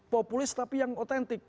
populis tapi yang otentik